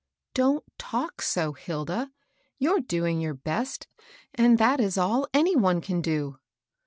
" Don't talk so, Hilda. You're doing yonr best, and that is all any one can do."